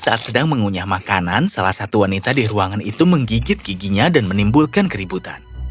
suatu hari set thumb mengunyah makanan salah satu waneta di ruangan itu menggigit giginya dan menimbulkan keribut